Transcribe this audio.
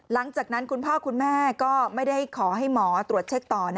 หลังจากนั้นคุณพ่อคุณแม่ก็ไม่ได้ขอให้หมอตรวจเช็คต่อ